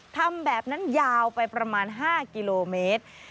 ทำแบบนั้นยาวไปประมาณ๕กิโลเมตร